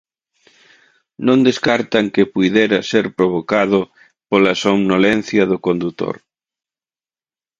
Non descartan que puidera ser provocado pola somnolencia do condutor.